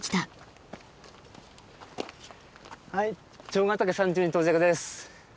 はい蝶ヶ岳山頂に到着です。